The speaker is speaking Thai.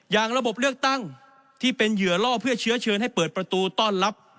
ระบบเลือกตั้งที่เป็นเหยื่อล่อเพื่อเชื้อเชิญให้เปิดประตูต้อนรับ